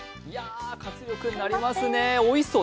活力になりますね、おいしそう。